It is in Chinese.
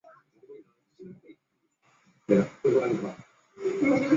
先世彭城郡刘氏。